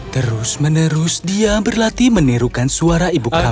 terus menerus dia berlatih menirukan suara ibu kota